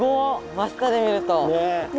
真下で見ると。ね！